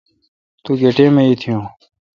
تو گہ ٹیم اؘ ایتیون۔